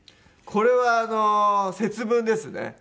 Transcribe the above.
これは節分ですね。